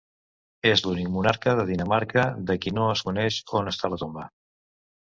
És l'únic monarca de Dinamarca de qui no es coneix on està la tomba.